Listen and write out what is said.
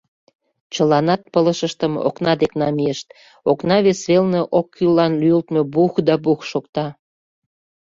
Чыланат пылышыштым окна дек намийышт: окна вес велне оккӱллан лӱйылтмӧ бух да бух шокта.